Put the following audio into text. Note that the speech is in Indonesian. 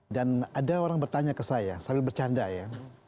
ada orang bertanya ke saya sambil bercanda ya